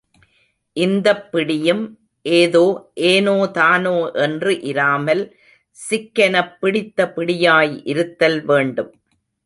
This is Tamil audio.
இந்தப் பிடியும் ஏதோ ஏனோ தானோ என்று இராமல் சிக்கெனப் பிடித்த பிடியாய் இருத்தல் வேண்டும்.